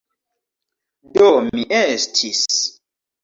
Do mi estis...